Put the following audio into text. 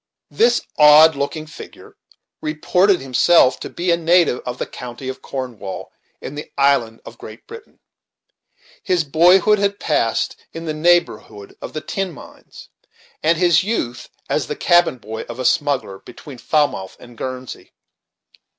This odd looking figure reported himself to be a native of the county of Cornwall, in the island of Great Britain. His boyhood had passed in the neighborhood of the tin mines, and his youth as the cabin boy of a smuggler, between Falmouth and Guernsey.